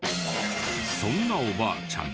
そんなおばあちゃん